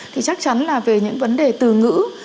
thì chắc chắn là về những vấn đề từ ngữ